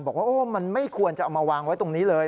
บอกว่ามันไม่ควรจะเอามาวางไว้ตรงนี้เลย